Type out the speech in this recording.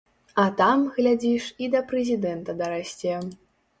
А там, глядзіш, і да прэзідэнта дарасце.